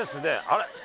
あれ？